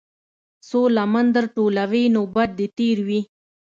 څــــو لمـــن در ټولـــوې نوبت دې تېر وي.